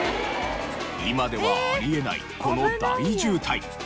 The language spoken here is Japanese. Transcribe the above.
今ではあり得ないこの大渋滞。